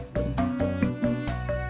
bur cang ijo